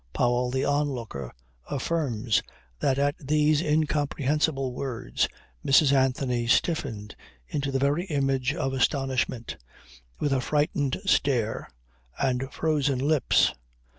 Powell, the onlooker, affirms that at these incomprehensible words Mrs. Anthony stiffened into the very image of astonishment, with a frightened stare and frozen lips.